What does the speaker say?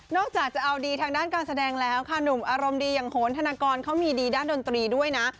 จากจะเอาดีทางด้านการแสดงแล้วค่ะหนุ่มอารมณ์ดีอย่างโหนธนากรเขามีดีด้านดนตรีด้วยนะ